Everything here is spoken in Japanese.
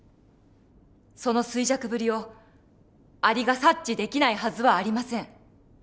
その衰弱ぶりをアリが察知できないはずはありません。